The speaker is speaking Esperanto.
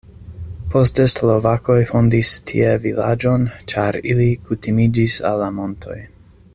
Poste slovakoj fondis tie vilaĝon, ĉar ili kutimiĝis al la montoj.